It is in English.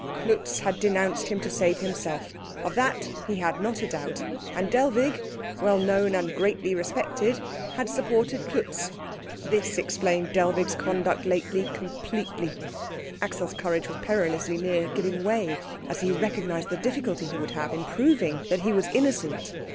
Klutz had denounced him, to save himself; of that he had not a doubt. And Dellwig, well known and greatly respected, had supported Klutz. This explained Dellwig's conduct lately completely. Axel's courage was perilously near giving way as he recognised the difficulty he would have in proving that he was innocent.